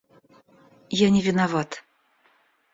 Я не виноват.